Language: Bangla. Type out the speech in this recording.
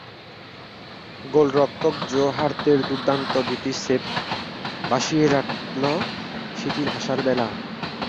গোলরক্ষক জো হার্টের দুর্দান্ত দুটি সেভ ভাসিয়ে রাখল সিটির আশার ভেলা।